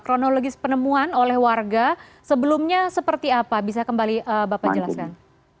kronologis penemuan oleh warga sebelumnya seperti apa bisa kembali bapak jelaskan